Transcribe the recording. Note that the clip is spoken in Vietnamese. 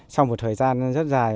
sau một thời gian rất dài